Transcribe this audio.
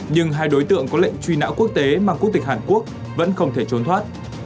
nhưng hai đối tượng có lệnh truy nã quốc tế mang quốc tịch hàn quốc vẫn không thể trốn thoát